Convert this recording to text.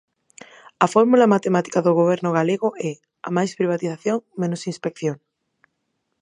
A fórmula matemática do Goberno galego é: a máis privatización, menos inspección.